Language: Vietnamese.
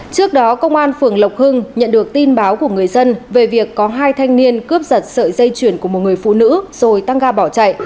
trước đó công an phường lộc hưng nhận được tin báo của người dân về việc có hai thanh niên cướp giật sợi dây chuyển của một người phụ nữ rồi tăng ga bỏ chạy